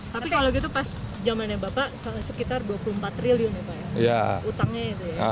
tapi kalau gitu pas jamannya bapak sekitar dua puluh empat triliun ya pak ya